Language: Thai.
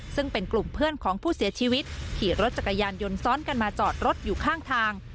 ซึ่งเป็นกลุ่มเพื่อนของผู้เสียชีวิตขี่รถจักรยานยนต์ซ้อนกันมาจอดรถอยู่ข้างทาง